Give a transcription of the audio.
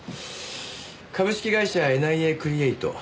株式会社ＮＩＡクリエイト。